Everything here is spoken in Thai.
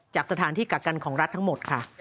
จากสถานที่กักกันของรัฐทั้งหมดค่ะ